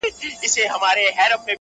چي به خبره د پښتو چي د غیرت به سوله-